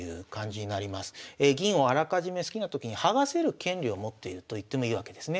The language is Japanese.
銀をあらかじめ好きなときに剥がせる権利を持っているといってもいいわけですね。